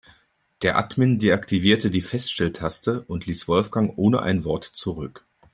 Der Admin deaktivierte die Feststelltaste und ließ Wolfgang ohne ein Wort zurück.